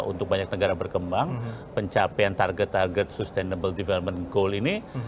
untuk banyak negara berkembang pencapaian target target sustainable development goal ini